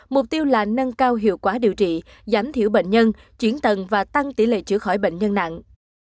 mục tiêu là nâng cao hiệu quả điều trị giảm thiểu bệnh nhân chuyển tầng và tăng tỷ lệ chữa khỏi bệnh nhân nặng